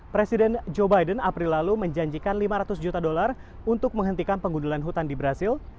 presiden joe biden april lalu menjanjikan lima ratus juta dolar untuk menghentikan pengundulan hutan di brazil